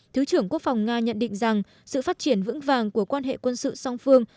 thứ trưởng quốc phòng nga nhận định rằng sự phát triển vững vàng của quan hệ quân sự song phương